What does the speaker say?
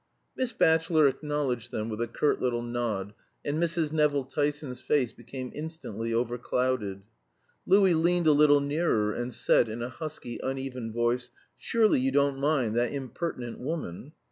Miss Batchelor acknowledged them with a curt little nod, and Mrs. Nevill Tyson's face became instantly overclouded. Louis leaned a little nearer and said in a husky, uneven voice, "Surely you don't mind that impertinent woman?"